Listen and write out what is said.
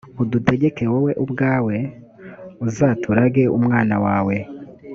udutegeke wowe ubwawe uzaturage umwana wawe